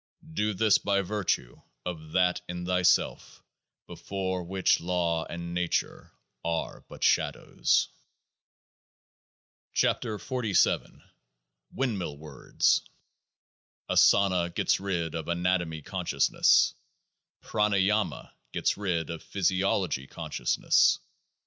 Do this by virtue of THAT in thyself before which law and nature are but shadows. 60 KEOAAH MZ WINDMILL WORDS Asana gets rid of Anatomy con sciousness. | Involuntary Pranayama gets rid of Physiology > 'Breaks' consciousness.